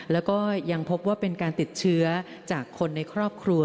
แล้วก็ยังพบว่าเป็นการติดเชื้อจากคนในครอบครัว